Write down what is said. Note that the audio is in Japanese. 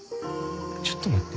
ちょっと待って。